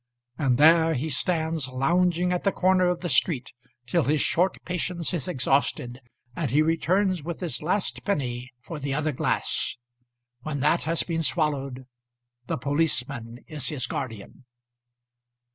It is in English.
And there he stands lounging at the corner of the street, till his short patience is exhausted, and he returns with his last penny for the other glass. When that has been swallowed the policeman is his guardian.